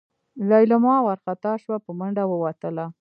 لېلما وارخطا شوه په منډه ووتله.